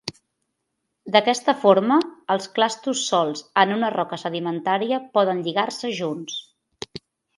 D'aquesta forma, els clastos solts en una roca sedimentària poden "lligar-se" junts.